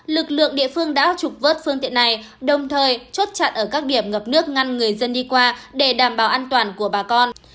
lực lượng địa phương đã trục vớt phương tiện này đồng thời chốt chặn ở các điểm ngập nước ngăn người dân đi qua để đảm bảo an toàn của bà con